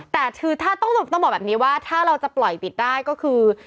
แต่คือถ้าต้องบอกแบบนี้ว่าถ้าเราจะปล่อยปิดได้ก็คือ